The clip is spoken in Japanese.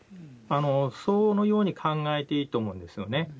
そのように考えていいと思うんですよね。